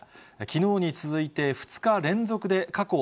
きのうに続いて、２日連続で過去